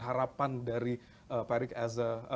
harapan dari pak erick as a